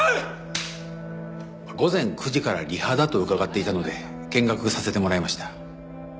午前９時からリハだと伺っていたので見学させてもらいました。